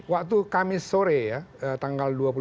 waktu kamis sore ya tanggal dua puluh